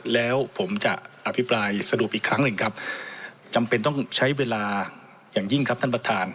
แล้วผมจะอภิปรายสรุปอีกครั้งหนึ่งครับจำเป็นต้องใช้เวลาอย่างยิ่งครับท่านประธาน